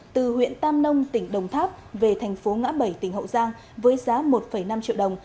từ huyện tam nông tỉnh đồng tháp về thành phố ngã bảy tỉnh hậu giang với giá một năm triệu đồng